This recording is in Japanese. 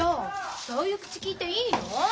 そういう口きいていいの？